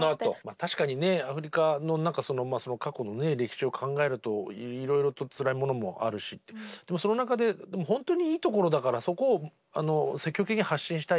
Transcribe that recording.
確かにアフリカの過去の歴史を考えるといろいろとつらいものもあるしでもその中で本当にいいところだからそこを積極的に発信したいっていうね